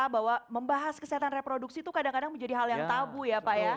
bahwa membahas kesehatan reproduksi itu kadang kadang menjadi hal yang tabu ya pak ya